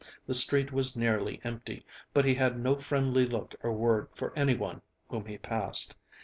The street was nearly empty, but he had no friendly look or word for anyone whom he passed.